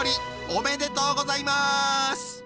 おめでとうございます！